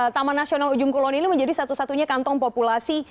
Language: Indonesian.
taman nasional ujung kulon ini menjadi satu satunya kantong populasi